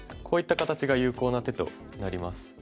こういった形が有効な手となります。